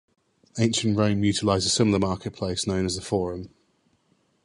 Ancient Rome utilized a similar marketplace known as the forum.